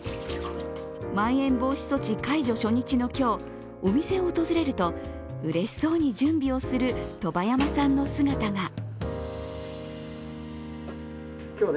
まん延防止措置解除初日の今日お店を訪れるとうれしそうに準備をする外波山さんの姿が。